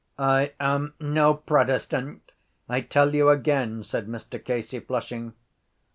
—I am no protestant, I tell you again, said Mr Casey, flushing.